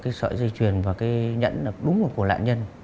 cái sợi dây chuyền và cái nhẫn là đúng là của lãnh nhân